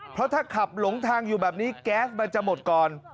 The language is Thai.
เพราะถ้าขับหลงทางอยู่แบบนี้แก๊สมันจะหมดก่อน